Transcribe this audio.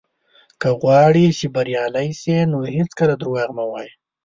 که غواړې چې بريالی شې، نو هېڅکله دروغ مه وايه.